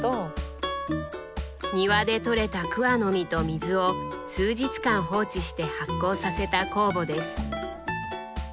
庭でとれた桑の実と水を数日間放置して発酵させた酵母です。